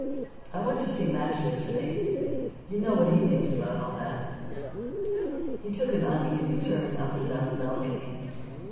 "I went to see Max yesterday. You know what he thinks about all that." He took an uneasy turn up and down the balcony.